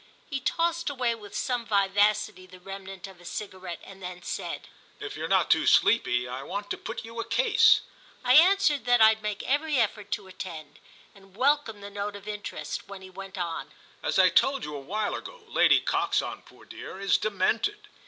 He tossed away with some vivacity the remnant of a cigarette and then said: "If you're not too sleepy I want to put you a case." I answered that I'd make every effort to attend, and welcomed the note of interest when he went on: "As I told you a while ago, Lady Coxon, poor dear, is demented."